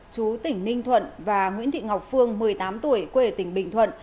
chú tỉnh ninh thuận và nguyễn thị ngọc phương một mươi tám tuổi quê ở tỉnh bình thuận